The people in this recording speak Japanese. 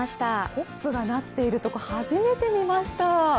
ホップがなっているところ、初めて見ました。